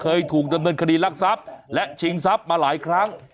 เคยถูกดำเนินคดีรักทรัพย์และชิงทรัพย์มาหลายครั้ง